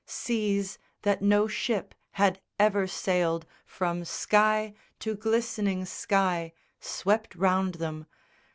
Seas that no ship had ever sailed, from sky To glistening sky, swept round them.